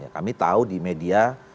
kami tahu di media